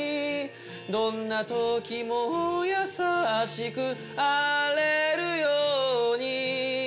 「どんな時も優しくあれるように」